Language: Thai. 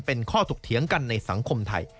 เป็นข้อถกเถียงกันในสังคมไทย